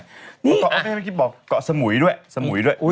ก็ไม่ให้มันคิดบอกเกาะสมุยด้วย